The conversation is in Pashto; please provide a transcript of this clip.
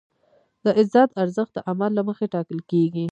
د عزت ارزښت د عمل له مخې ټاکل کېږي.